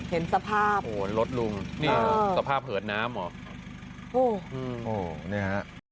เห็นสภาพรถลุงสภาพเหินน้ำเหรอ